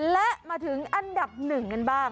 และมาถึงอันดับหนึ่งกันบ้าง